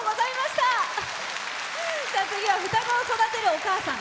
次は双子を育てるお母さん。